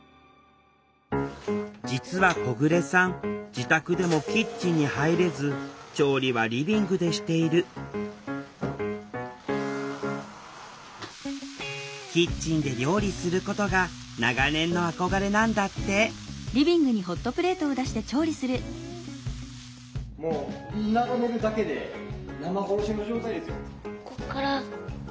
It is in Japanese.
自宅でもキッチンに入れず調理はリビングでしているキッチンで料理することが長年の憧れなんだってもう眺めるだけで生殺しの状態ですよ。